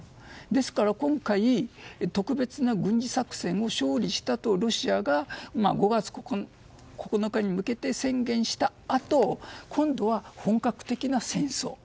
ですから今回特別な軍事作戦に勝利したとロシアが５月９日に向けて宣言したあと今度は本格的な戦争。